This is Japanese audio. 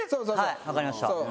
分かりました。